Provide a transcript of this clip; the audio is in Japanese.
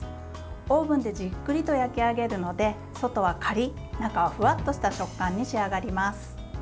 オーブンでじっくりと焼き上げるので外はカリッ、中はふわっとした食感に仕上がります。